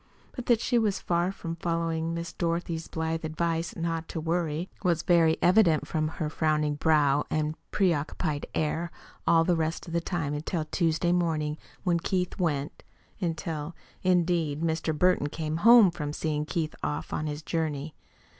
But that she was far from following Miss Dorothy's blithe advice "not to worry" was very evident from her frowning brow and preoccupied air all the rest of the time until Tuesday morning when Keith went until, indeed, Mr. Burton came home from seeing Keith off on his journey.